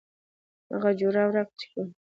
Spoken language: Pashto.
هغو جواب راکړو چې کوهے مو شورو کړے دے ـ